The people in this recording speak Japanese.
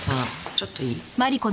ちょっといい？